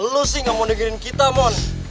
lo sih gak mau dengerin kita mon